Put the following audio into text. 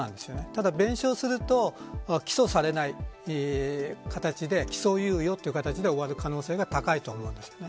ただ弁償すると起訴されない形で起訴猶予として終わる可能性が高いと思います。